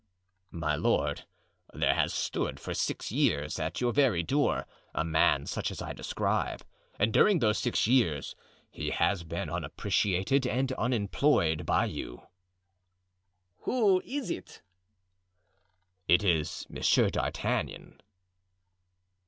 "My lord, there has stood for six years at your very door a man such as I describe, and during those six years he has been unappreciated and unemployed by you." "Who is it?" "It is Monsieur d'Artagnan."